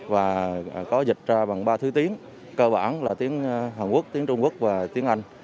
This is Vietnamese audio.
và có dịch ra bằng ba thứ tiếng cơ bản là tiếng hàn quốc tiếng trung quốc và tiếng anh